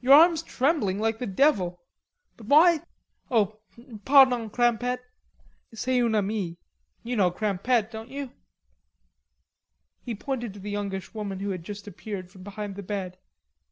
Your arm's trembling like the devil. But why.... O pardon, Crimpette. C'est un ami.... You know Crimpette, don't you?" He pointed to a youngish woman who had just appeared from behind the bed.